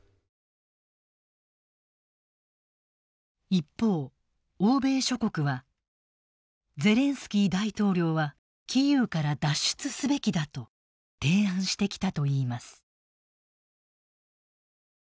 一方欧米諸国は「ゼレンスキー大統領はキーウから脱出すべきだ」と提案してきたといいます。